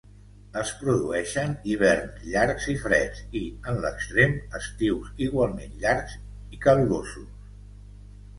Es produeixen hiverns llargs i freds i, en l'extrem, estius igualment llargs i calorosos.